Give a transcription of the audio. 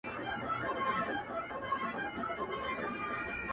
له ورک یوسفه تعبیرونه غوښتل،